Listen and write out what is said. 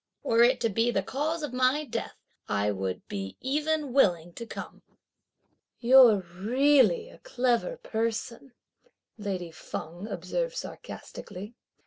were it to be the cause of my death, I would be even willing to come!" "You're really a clever person," lady Feng observed sarcastically.